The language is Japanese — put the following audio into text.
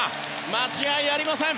間違いありません